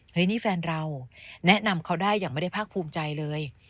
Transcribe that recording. นี่แฟนเราแนะนำเขาได้อย่างไม่ได้ภาคภูมิใจเลย